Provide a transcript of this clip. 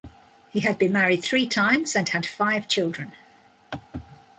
He had been married three times and had five children.